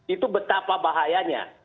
itu betapa bahayanya